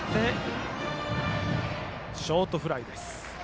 ショートフライです。